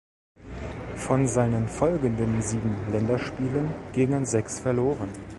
Von seinen folgenden sieben Länderspielen gingen sechs verloren.